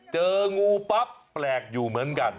เจองูปั๊บแปลกอยู่เหมือนกัน